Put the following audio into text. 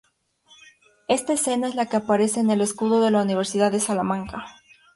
Esta escena es la que aparece en el escudo de la Universidad de Salamanca.